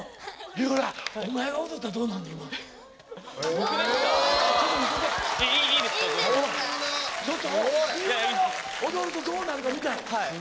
三浦が踊るとどうなるか見たい。